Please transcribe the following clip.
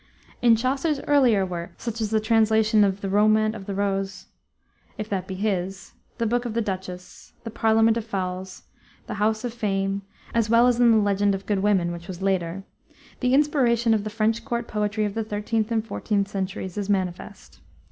In Chaucer's earlier works, such as the translation of the Romaunt of the Rose (if that be his), the Boke of the Duchesse, the Parlament of Foules, the Hous of Fame, as well as in the Legend of Good Women, which was later, the inspiration of the French court poetry of the 13th and 14th centuries is manifest.